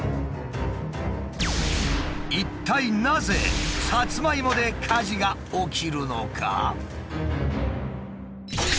一体なぜサツマイモで火事が起きるのか？